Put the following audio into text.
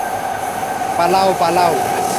পালাও, পালাও!